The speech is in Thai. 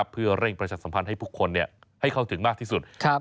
เพื่อเร่งประชาสัมพันธ์ให้ทุกคนให้เข้าถึงมากที่สุด